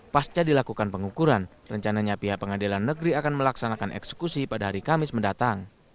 pasca dilakukan pengukuran rencananya pihak pengadilan negeri akan melaksanakan eksekusi pada hari kamis mendatang